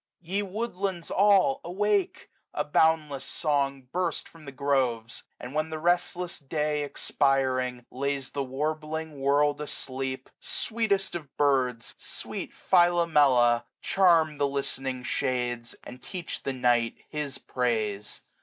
75 Ye woodlands all, awake: a boundless song Burst from the groves ! and when the restless day. Expiring, lays the warbling world asleep. Sweetest of birds! sweet Philomela, charm The listening shades, and teach the night His praise.